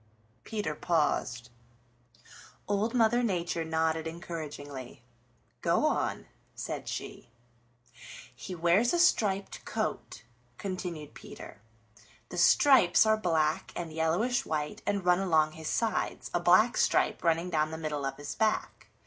Peter paused. Old Mother Nature nodded encouragingly. "Go on," said she. "He wears a striped coat," continued Peter. "The stripes are black and yellowish white and run along his sides, a black stripe running down the middle of his back.